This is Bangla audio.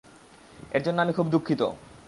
এর জন্য আমি খুব দুঃখিত।